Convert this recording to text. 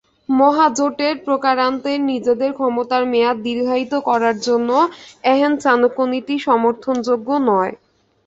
মহাজোটের প্রকারান্তরে নিজেদের ক্ষমতার মেয়াদ দীর্ঘায়িত করার জন্য এহেন চাণক্যনীতি সমর্থনযোগ্য নয়।